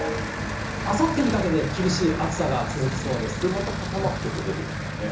あさってにかけて厳しい暑さが続で、また傘マークちょっと出てきますね。